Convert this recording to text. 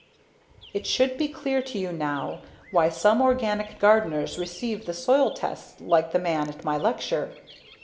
It should be clear to you now why some organic gardeners receive the soil tests like the man at my lecture.